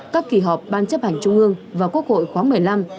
các kỳ họp ban chấp hành trung ương và quốc hội khóa một mươi năm